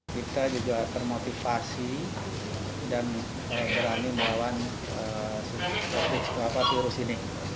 kita juga termotivasi dan berani melawan covid sembilan belas